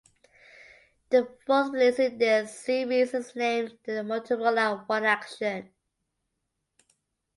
The fourth release in this series is named the Motorola One Action.